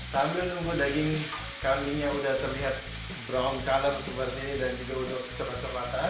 sambil menunggu daging kambingnya sudah terlihat brown color seperti ini dan juga sudah cepat cepatan